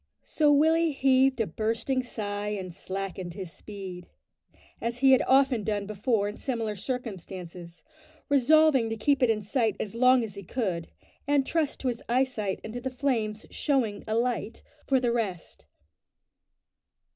So Willie heaved a bursting sigh and slackened his speed as he had often done before in similar circumstances resolving to keep it in sight as long as he could, and trust to his eyesight and to the flames "showing a light" for the rest.